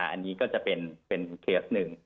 อันนี้ก็จะเป็นเคสหนึ่ง